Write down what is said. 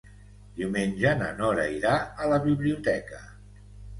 Diumenge na Nora irà a la biblioteca.